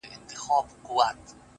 • چى وطن ته دي بللي خياطان دي,